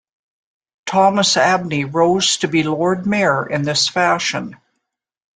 Thomas Abney rose to be Lord Mayor in this fashion.